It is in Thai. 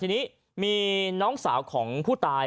ทีนี้มีน้องสาวของผู้ตาย